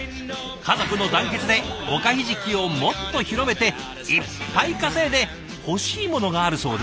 家族の団結でおかひじきをもっと広めていっぱい稼いで欲しいものがあるそうで。